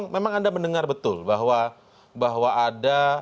memang anda mendengar betul bahwa ada